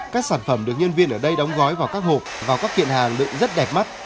các sản phẩm được nhân viên ở đây đóng gói vào các hộp vào các kiện hàng luyện rất đẹp mắt